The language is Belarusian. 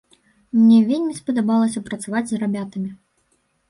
Мне вельмі спадабалася працаваць з рабятамі.